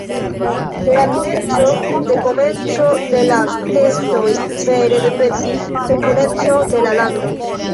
De rapideco de komenco de la testoj vere dependis sekureco de la lando.